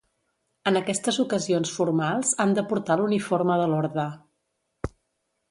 En aquestes ocasions formals han de portar l'uniforme de l'Orde.